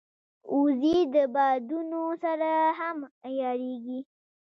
وزې د بادونو سره هم عیارېږي